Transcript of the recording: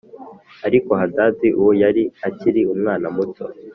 ariko Hadadi uwo yari akiri umwana muto